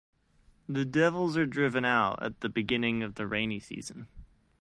The devils are driven out at the beginning of the rainy season.